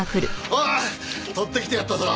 おい取ってきてやったぞ。